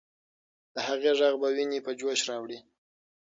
د هغې ږغ به ويني په جوش راوړي.